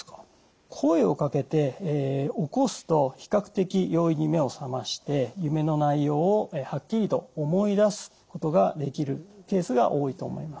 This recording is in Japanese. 声をかけて起こすと比較的容易に目を覚まして夢の内容をはっきりと思い出すことができるケースが多いと思います。